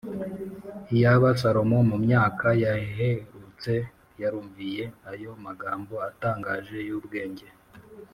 iyaba salomo mu myaka yaherutse yarumviye ayo magambo atangaje y’ubwenge!